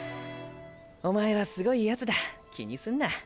おまえはスゴいヤツだ気にすんな。